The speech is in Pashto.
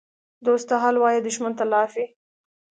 دوست ته حال وایه، دښمن ته لاپې.